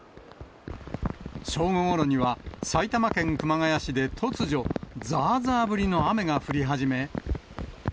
正午ごろには埼玉県熊谷市で突如、ざーざー降りの雨が降り始め。